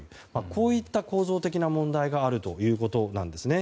こういった構造的な問題があるということです。